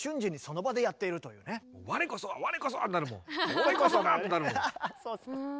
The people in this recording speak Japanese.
「我こそは」ってなるもん。